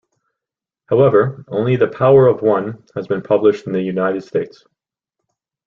However, only "The Power of One" has been published in the United States.